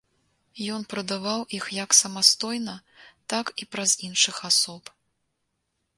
Ён прадаваў іх як самастойна, так і праз іншых асоб.